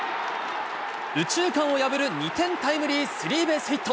右中間を破る２点タイムリースリーベースヒット。